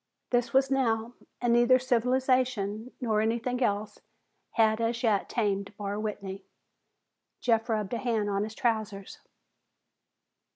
This was now, and neither civilization nor anything else had as yet tamed Barr Whitney. Jeff rubbed a hand on his trousers.